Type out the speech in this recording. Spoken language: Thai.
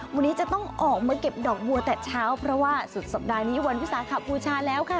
วันนี้จะต้องออกมาเก็บดอกบัวแต่เช้าเพราะว่าสุดสัปดาห์นี้วันวิสาขบูชาแล้วค่ะ